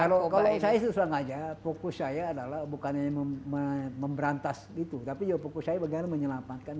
kalau saya sesuai saja fokus saya adalah bukan hanya memberantas tapi fokus saya bagaimana menyelamatkan